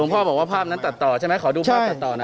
พ่อบอกว่าภาพนั้นตัดต่อใช่ไหมขอดูภาพตัดต่อนะ